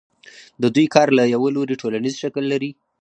د دوی کار له یوه لوري ټولنیز شکل لري